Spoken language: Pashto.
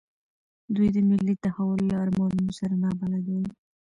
دوی د ملي تحول له ارمانونو سره نابلده وو.